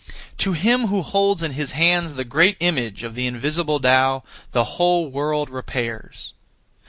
To him who holds in his hands the Great Image (of the invisible Tao), the whole world repairs.